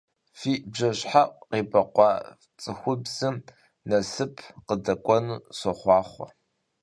Фи бжэщхьэӀу къебэкъуа цӀыхубзым насып къыдэкӀуэну сохъуахъуэ!